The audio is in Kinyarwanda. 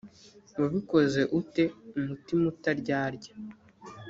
wabikoze u te umutima utaryarya